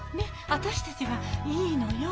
私たちはいいのよ。